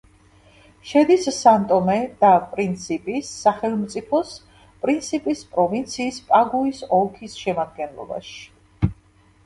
შედის სან-ტომე და პრინსიპის სახელმწიფოს პრინსიპის პროვინციის პაგუის ოლქის შემადგენლობაში.